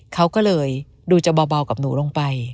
เขาก็เลยดูจะเบากับหนูลงไป